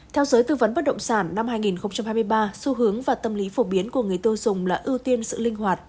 theo giới tư vấn bất động sản năm hai nghìn hai mươi ba xu hướng và tâm lý phổ biến của người tiêu dùng là ưu tiên sự linh hoạt